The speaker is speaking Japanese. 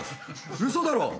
ウソだろ⁉